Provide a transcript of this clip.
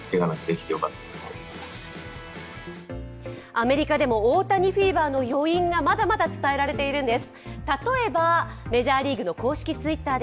アメリカでも大谷フィーバーの余韻がまだまだ伝えられているんです。